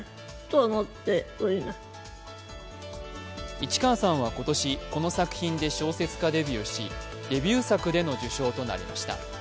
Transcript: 市川さんは今年この作品で小説家デビューしデビュー作での受賞となりました。